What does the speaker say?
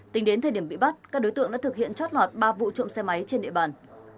tính đến thời điểm bị bắt các đối tượng đã thực hiện trót lọt ba vụ trộm xe máy trên địa bàn